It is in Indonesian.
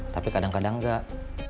tapi kadang kadang enggak